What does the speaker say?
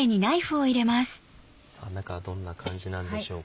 さぁ中はどんな感じなんでしょうか。